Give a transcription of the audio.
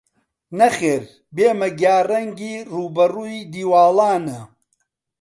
نەخێر بێمە گیاڕەنگی ڕووبەڕووی دیواڵانە